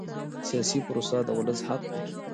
سیاسي پروسه د ولس حق دی